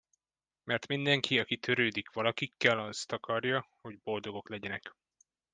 Mert mindenki, aki törődik valakikkel, azt akarja, hogy boldogok legyenek.